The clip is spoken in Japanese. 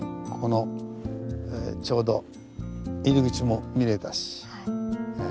ここのちょうど入り口も見れたし。